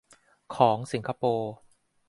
ของสิงคโปร์